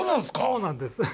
そうなんです。